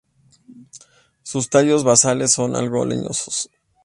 Sus tallos basales son algo leñosos.